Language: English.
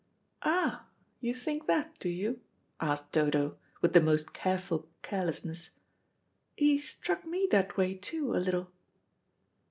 "Ah, you think that, do you?" asked Dodo, with the most careful carelessness. "He struck me that way, too, a little."